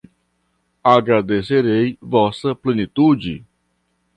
Agradecerei vossa plenitude